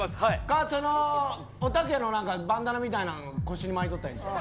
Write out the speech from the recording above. おたけのバンダナみたいなのも腰に巻いとったらええやん。